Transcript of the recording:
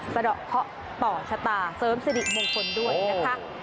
สะดอกเคาะต่อชะตาเสริมสิริมงคลด้วยนะคะ